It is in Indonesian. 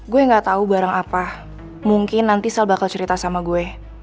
gua nggak tau barang apa mungkin nanti sal bakal cerita sama gue